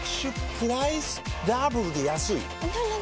プライスダブルで安いＮｏ！